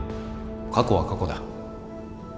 過去は過去だ。